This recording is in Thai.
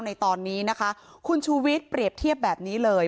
ในตอนนี้นะคะคุณชูวิทย์เปรียบเทียบแบบนี้เลย